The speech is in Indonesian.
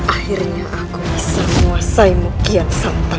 akhirnya aku bisa menguasai mukyat santan